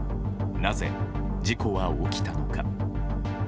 なぜ事故は起きたのか。